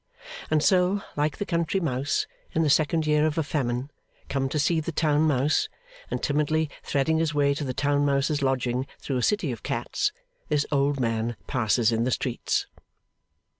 And so, like the country mouse in the second year of a famine, come to see the town mouse, and timidly threading his way to the town mouse's lodging through a city of cats, this old man passes in the streets.